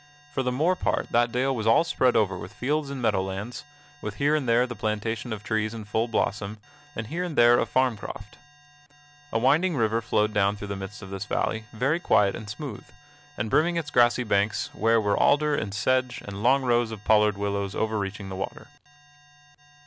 For the more part that dale was all spread over with fields and meadow lands, with here and there a plantation of trees in full blossom and here and there a farm croft. A winding river flowed down through the midst of this valley, very quiet and smooth, and brimming its grassy banks, where were alder and sedge and long rows of pollard willows overreaching the water.